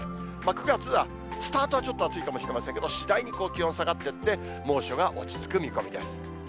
９月はスタートはちょっと暑いかもしれませんけど、次第に気温下がってって、猛暑が落ち着く見込みです。